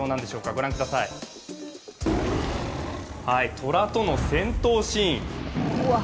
虎との戦闘シーン。